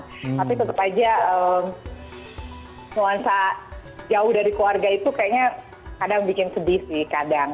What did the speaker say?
tapi tetap aja nuansa jauh dari keluarga itu kayaknya kadang bikin sedih sih kadang